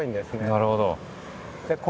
なるほど。